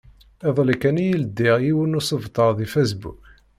Iḍelli kan i ldiɣ yiwen usebter deg Facebook.